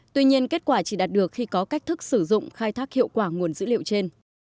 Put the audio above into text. tuy nhiên kết quả chỉ đạt được khi có cách thức sử dụng khai thác hiệu quả nguồn dữ liệu trên